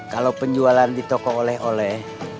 kalau penjualan ditokoh oleh oleh